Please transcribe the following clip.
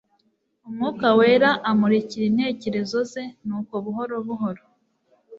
Umwuka wera amurikira intekerezo ze, nuko buhoro buhoro,